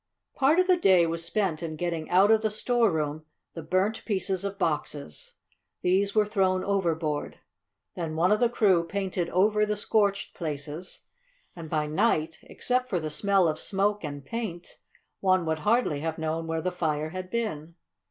Part of the day was spent in getting out of the storeroom the burned pieces of boxes. These were thrown overboard. Then one of the crew painted over the scorched places, and, by night, except for the smell of smoke and paint, one would hardly have known where the fire had been.